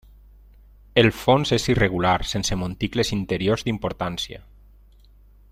El fons és irregular, sense monticles interiors d'importància.